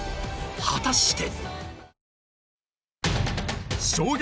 果たして？